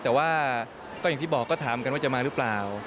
แต่ว่าก็อย่างที่บอกก็ถามกันว่าจะมาหรือเปล่า